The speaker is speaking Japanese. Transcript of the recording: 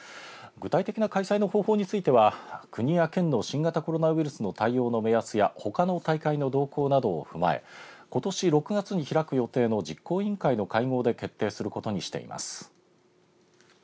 具体的な開催の方法については国や県の新型コロナウイルスの対応の目安やほかの大会の動向などを踏まえことし６月に開く予定の実行委員会の会合で決定することにしています。